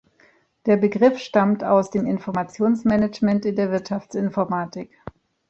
Der Begriff stammt aus dem Informationsmanagement in der Wirtschaftsinformatik.